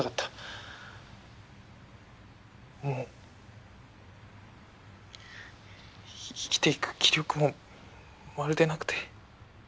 もう生きていく気力もまるでなくて。